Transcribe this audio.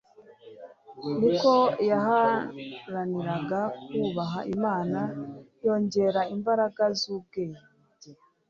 ni ko yaharaniraga kubaha imana yongera imbaraga z'ubwenge